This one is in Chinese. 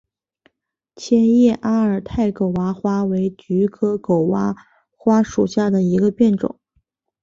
千叶阿尔泰狗娃花为菊科狗哇花属下的一个变种。